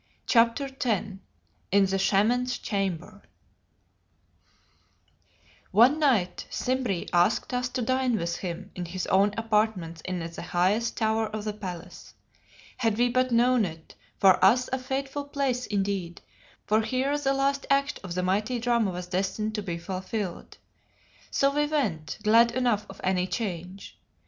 CHAPTER X IN THE SHAMAN'S CHAMBER One night Simbri asked us to dine with him in his own apartments in the highest tower of the palace had we but known it, for us a fateful place indeed, for here the last act of the mighty drama was destined to be fulfilled. So we went, glad enough of any change.